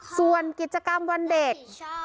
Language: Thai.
ส่วนกิจกรรมวันเด็ก